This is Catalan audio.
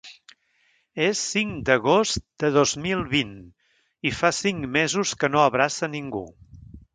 És cinc d’agost de dos mil vint i fa cinc mesos que no abraça ningú.